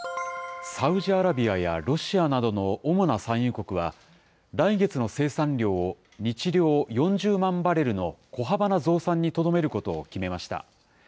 サウジアラビアやロシアなどの主な産油国は、来月の生産量を日量４０万バレルの小幅な増産にとどめることを決めました。